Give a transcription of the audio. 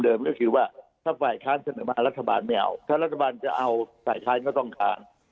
ก็คือว่าถ้าฝ่ายค้านเสนอมารัฐบาลไม่เอาถ้ารัฐบาลจะเอาฝ่ายค้านก็ต้องค้าน